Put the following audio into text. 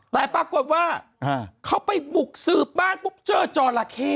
แต่ปรากฏว่าเขาไปบุกสืบบ้านปุ๊บเจอจอราเข้